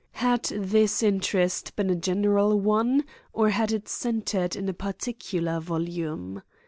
Had this interest been a general one or had it centered in a particular volume?